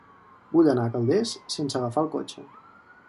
Vull anar a Calders sense agafar el cotxe.